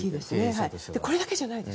これだけじゃないです。